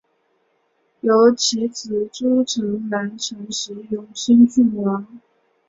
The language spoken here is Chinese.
由其子朱诚澜承袭永兴郡王。